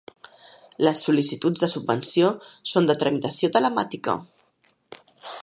Les sol·licituds de subvenció són de tramitació telemàtica.